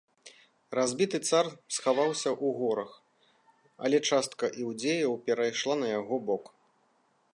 Разбіты цар схаваўся ў горах, але частка іўдзеяў перайшла на яго бок.